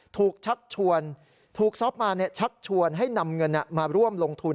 ชักชวนถูกซอฟต์มาชักชวนให้นำเงินมาร่วมลงทุน